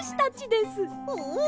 おお！